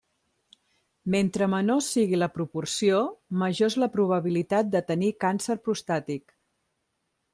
Mentre menor sigui la proporció, major és la probabilitat de tenir càncer prostàtic.